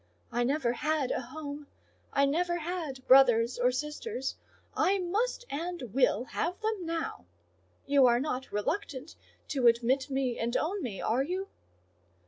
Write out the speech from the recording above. I never had a home, I never had brothers or sisters; I must and will have them now: you are not reluctant to admit me and own me, are you?"